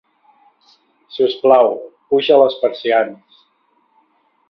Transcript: Si us plau, puja les persianes.